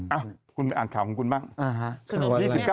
อ่ะคุณอ่านข่าวของคุณบ้าง